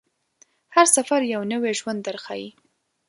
هر سفر یو نوی ژوند درښيي.